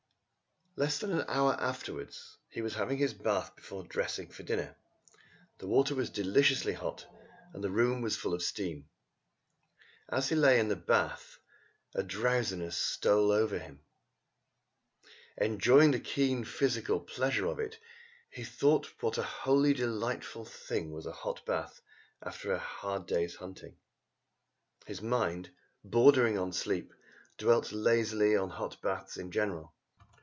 Less than an hour afterwards he was having his bath before dressing for dinner. The water was deliciously hot, and the room was full of steam. As he lay in the bath a drowsiness stole over him. Enjoying the keen physical pleasure of it, he thought what a wholly delightful thing was a hot bath after a day's hard hunting. His mind, bordering on sleep, dwelt lazily on hot baths in general.